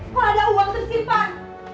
kalau ada uang tersimpan